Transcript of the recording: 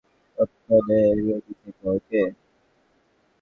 ততক্ষণে রেডি থেকো, ওকে?